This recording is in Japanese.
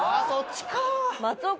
そっちかぁ。